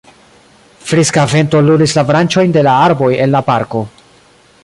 Friska vento lulis la branĉojn de la arboj en la parko.